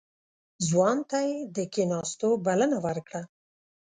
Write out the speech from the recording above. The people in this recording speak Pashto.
ځوان ته يې د کېناستو بلنه ورکړه.